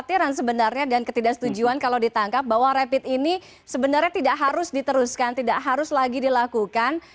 kekhawaran sebenarnya dan ketidaksetujuan kalau ditangkap bahwa rapid ini sebenarnya tidak harus diteruskan tidak harus lagi dilakukan